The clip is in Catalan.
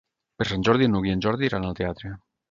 Per Sant Jordi n'Hug i en Jordi iran al teatre.